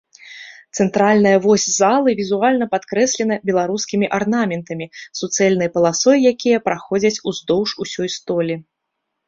Цэнтральная вось залы візуальна падкрэслена беларускімі арнаментамі, суцэльнай паласой якія праходзяць уздоўж усей столі.